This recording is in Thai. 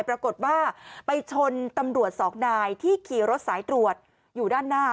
ปรากฏว่าไปชนตำรวจสองนายที่ขี่รถสายตรวจอยู่ด้านหน้า